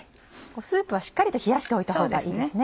スープはしっかりと冷やしておいたほうがいいですね。